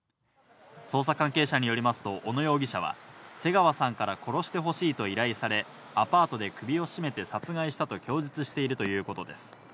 捜査関係者によりますと小野容疑者は瀬川さんから殺してほしいと依頼され、アパートで首を絞めて殺害したと供述しているということです。